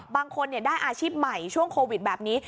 บางคนได้อาชีพใหม่ช่วงโควิดแบบนี้